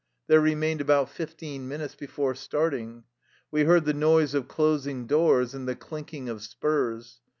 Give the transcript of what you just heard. There remained about fifteen minutes before starting. We heard the noise of closing doors and the clinking of spurs.